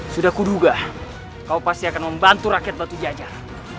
sudah kuduga kau pasti akan membantu rakyat batu jajah